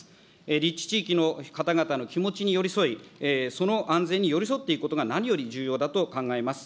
立地地域の方々の気持ちに寄り添い、その安全に寄り添っていくことが何より重要だと考えます。